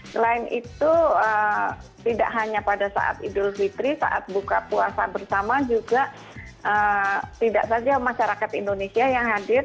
selain itu tidak hanya pada saat idul fitri saat buka puasa bersama juga tidak saja masyarakat indonesia yang hadir